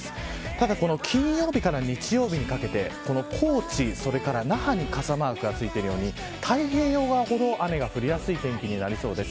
ただ、金曜日から日曜日にかけて高知、それから那覇に傘マークがついているように太平洋側ほど雨が降りやすい天気になりそうです。